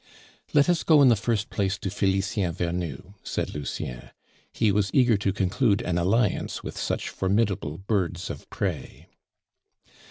"Let us go in the first place to Felicien Vernou," said Lucien. He was eager to conclude an alliance with such formidable birds of prey.